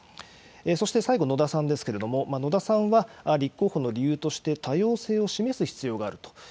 そして最後、野田さんですけれども、野田さんは、立候補の理由として、多様性を示す必要があると。